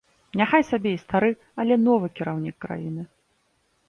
Няхай сабе і стары, але новы кіраўнік краіны.